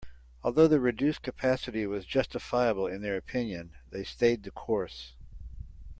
Although the reduced capacity was justifiable in their opinion, they stayed the course.